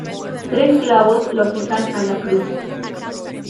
Tres clavos lo fijan a la cruz.